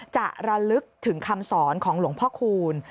ระลึกถึงคำสอนของหลวงพ่อคูณ